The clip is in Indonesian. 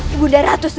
ibunda ratu sebut